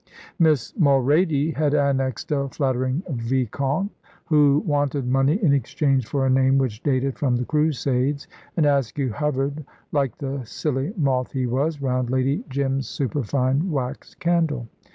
Miss Mulrady had annexed a flattering vicomte who wanted money in exchange for a name which dated from the Crusades, and Askew hovered, like the silly moth he was, round Lady Jim's superfine wax candle.